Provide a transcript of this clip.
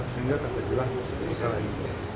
sehingga terjadi lah masalah ini